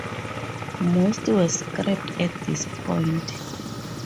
Most were scrapped at this point.